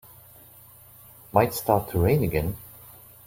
Might start to rain again.